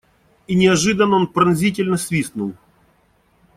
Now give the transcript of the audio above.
И неожиданно он пронзительно свистнул.